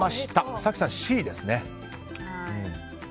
早紀さん、Ｃですね。